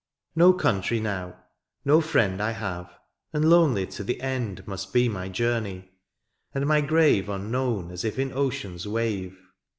No country now, no friend '^ I have, and lonely to the end '^ Must be my journey, and my grave '^ Unknown as if in ocean's wave.